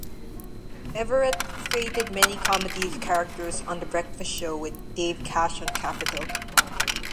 Everett created many comedy characters on "The Breakfast Show" with Dave Cash on Capital.